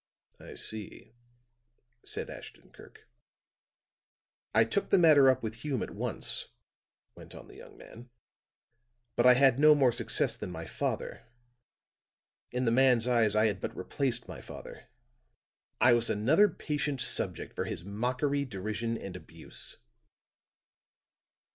"I see," said Ashton Kirk. "I took the matter up with Hume at once," went on the young man. "But I had no more success than my father. In the man's eyes, I had but replaced my father; I was another patient subject for his mockery, derision and abuse.